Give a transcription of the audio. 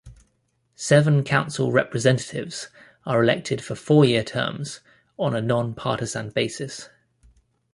Seven council representatives are elected for four-year terms on a non-partisan basis.